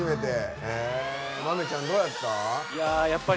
豆ちゃん、どうやった？